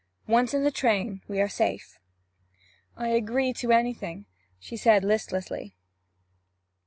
Once in the train we are safe.' 'I agree to anything,' she said listlessly.